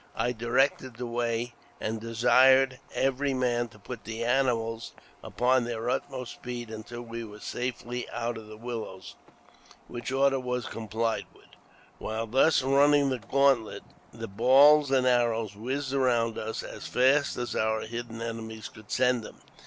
I directed the way, and desired every 72 AUTOBIOGBAPHY OF man to put the animals upon their utmost speed until we were safely out of the willows, which order was complied with. While thus running the gauntlet, the balls and arrows whizzed around us as fast as our hidden enemies could send them.